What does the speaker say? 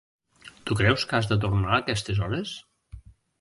Tu creus que has de tornar a aquestes hores?